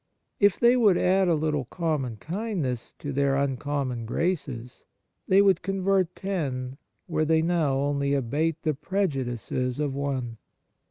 If they would add a little common kindness to their un common graces, they would convert ten where they now only abate the prejudices of one.